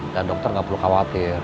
dan dokter gak perlu khawatir